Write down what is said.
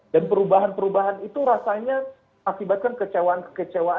dan perubahan perubahan itu rasanya akibatkan kecewaan di masyarakat